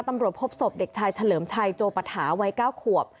ตำรวจพบศพเด็กชายเฉลิมชัยโจปฐาวัย๙ขวบ